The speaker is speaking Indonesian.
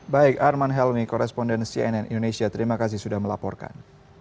baik arman helmi koresponden cnn indonesia terima kasih sudah melaporkan